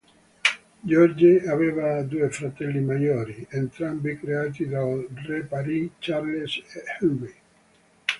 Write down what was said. George aveva due fratelli maggiori, entrambi creati dal re Pari, Charles e Henry.